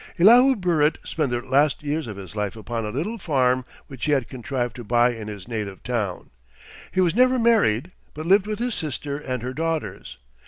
Elihu Burritt spent the last years of his life upon a little farm which he had contrived to buy in his native town. He was never married, but lived with his sister and her daughters.